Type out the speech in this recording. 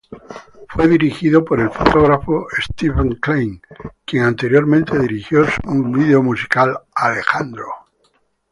Fue dirigido por el fotógrafo Steven Klein, quien anteriormente dirigió su video musical "Alejandro".